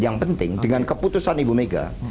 yang penting dengan keputusan ibu mega